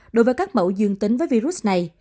đối với các mẫu dương tính với virus này